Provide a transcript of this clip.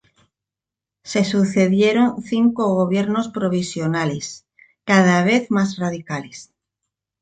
Se sucedieron cinco gobiernos provisionales, cada vez más radicales.